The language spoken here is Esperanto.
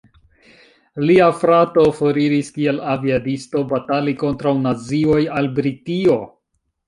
Lia frato foriris kiel aviadisto batali kontraŭ nazioj al Britio.